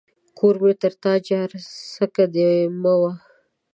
کور مې تر تا جار ، څکه دي مه وه.